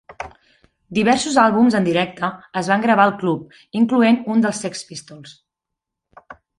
Diversos àlbums en directe es van gravar al club, incloent un dels Sex Pistols.